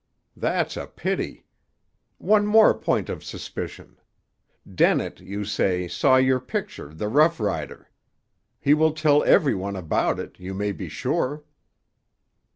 "That's a pity. One more point of suspicion. Dennett, you say, saw your picture, The Rough Rider. He will tell every one about it, you may be sure."